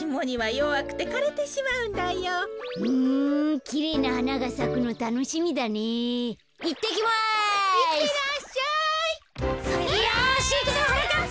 よしいくぞはなかっぱ！